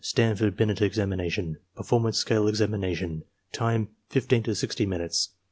Stanford Binet examination. Performance scale examination. Time, 15 to 60 minutes.